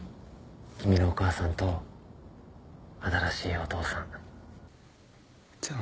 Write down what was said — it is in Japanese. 君のお母さんと新しいお父さんでも